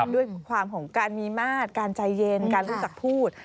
ด้วยความของการมีมาตรการใจเย็นการรู้จักพูด